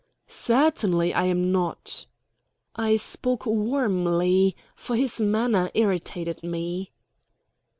"Certainly I am not." I spoke warmly, for his manner irritated me.